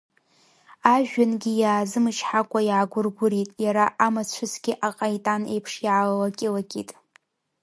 Ажәҩангьы иазымычҳакәа иаагәыргәырит, иара амацәысгьы аҟаитан еиԥш иаалакьы-лакьит.